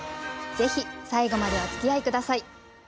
ぜひ最後までおつきあい下さい。